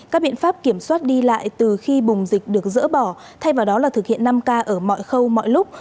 các biện pháp kiểm soát đi lại từ khi bùng dịch được dỡ bỏ thay vào đó là thực hiện năm k ở mọi khâu mọi lúc